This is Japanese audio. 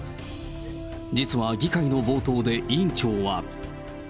実は議会の冒頭で委員長は。